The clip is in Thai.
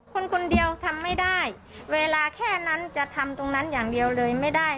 คนคนเดียวทำไม่ได้เวลาแค่นั้นจะทำตรงนั้นอย่างเดียวเลยไม่ได้